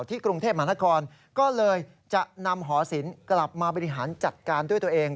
กรุงเทพมหานครก็เลยจะนำหอศิลป์กลับมาบริหารจัดการด้วยตัวเอง